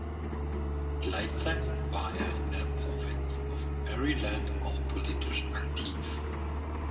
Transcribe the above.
Gleichzeitig war er in der Province of Maryland auch politisch aktiv.